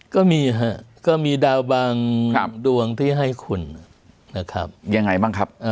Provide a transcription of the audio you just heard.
ก็มีฮะก็มีดาวบางดวงที่ให้คุณนะครับยังไงบ้างครับ